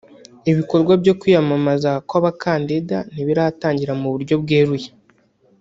Ibikorwa byo kwiyamamaza kw’abakandida ntibiratangira mu buryo bweruye